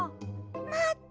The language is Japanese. まって！